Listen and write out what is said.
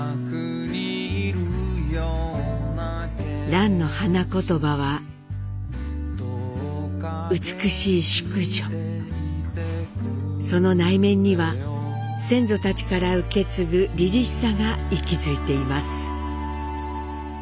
蘭の花言葉はその内面には先祖たちから受け継ぐりりしさが息づいています。